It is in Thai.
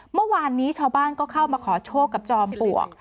เมื่อวานนี้ชาวบ้านก็เข้ามาขอโชคกับจอมปลวก